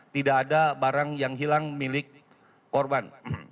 tidak ada barang yang hilang milik korban